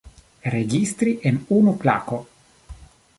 Registri en unu klako.